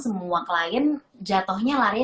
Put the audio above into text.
semua klien jatohnya larinya